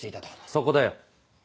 そこだよ。